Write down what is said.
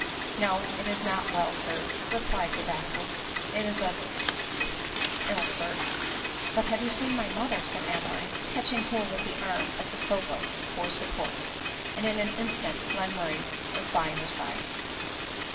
" No, it is not well sir," replied the doctor ;" it is d ,— d ill, sir." *' You have seen my mother," said Adeline, catching hold of the arm of the sofa for support ; and in an instant Glenmurray was by her side.